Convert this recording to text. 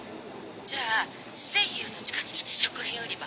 じゃあＳＡＹＹＯＵの地下に来て食品売り場。